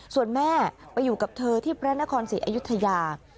ส่วนแม่ไปอยู่กับเธอที่แปรนคล๔อายุทยา